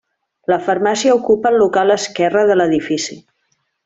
La farmàcia ocupa el local esquerre de l'edifici.